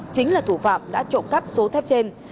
chính là thủ phạm đã trộm cắp số thép trên